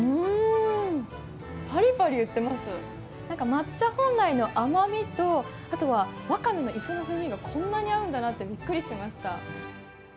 抹茶本来の甘みとわかめの磯の風味がこんなに合うんだなってびっくりしました。